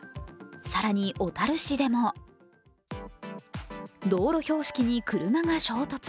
更に小樽市でも道路標識に車が衝突。